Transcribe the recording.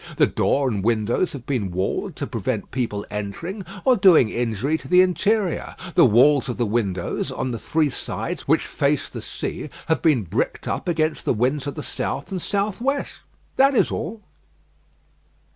The door and windows have been walled to prevent people entering, or doing injury to the interior. The walls of the windows, on the three sides which face the sea, have been bricked up against the winds of the south and south west. That is all."